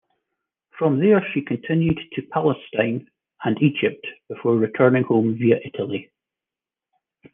From there she continued to Palestine and Egypt before returning home via Italy.